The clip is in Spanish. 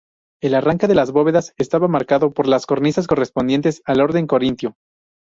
El arranque de las bóvedas estaba marcado por la cornisas correspondientes al orden corintio.